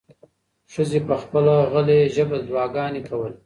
ښځې په خپله غلې ژبه دعاګانې کولې.